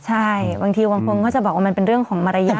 ใช่บางทีบางคนก็จะบอกว่ามันเป็นเรื่องของมารยาท